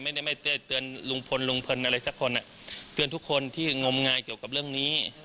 ไม่ได้ไม่ได้เตือนลุงพลลุงพลอะไรสักคนอ่ะเตือนทุกคนที่งมงายเกี่ยวกับเรื่องนี้